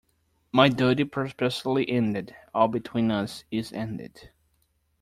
My duty prosperously ended, all between us is ended.